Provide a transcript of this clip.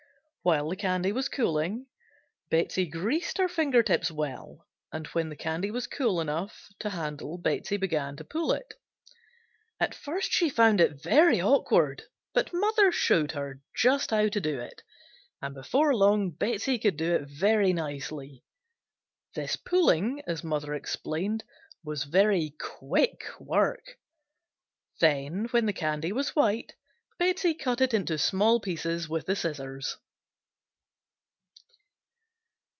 While the candy was cooling Betsey greased her finger tips well, and when the candy was cool enough to handle Betsey began to pull it; at first she found it very awkward but mother showed her just how to do it and before long Betsey could do it very nicely. This pulling, as mother explained, was very quick work. Then when the candy was white Betsey cut it into small pieces with the scissors.